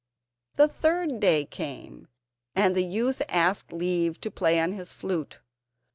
The third day came, and the youth asked leave to play on his flute.